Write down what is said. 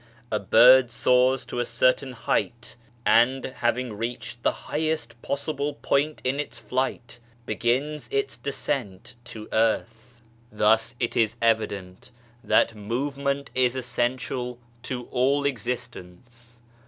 A bird soars to a certain height and having reached the highest possible point in its flight, begins its descent to earth. EVOLUTION OF THE SPIRIT 81 Thus 'it is evident that movement is essential to all existence.